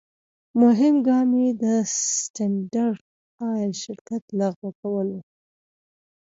مهم ګام یې د سټنډرد آیل شرکت لغوه کول و.